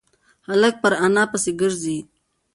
هلک پر انا پسې گرځي.